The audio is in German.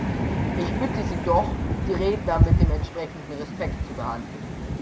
Ich bitte Sie doch, die Redner mit dem entsprechenden Respekt zu behandeln!